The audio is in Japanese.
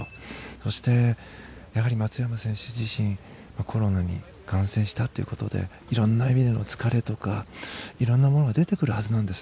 そして、やはり松山選手自身コロナに感染したということで色んな意味での疲れとか、色んなものが出てくるはずなんです。